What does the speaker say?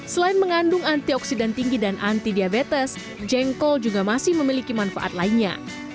selain mengandung antioksidan tinggi dan anti diabetes jengkol juga masih memiliki manfaat lainnya